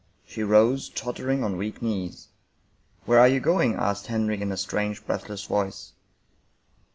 She rose, tottering on weak knees. " Where are you going? " asked Henry in a strange, breathless voice.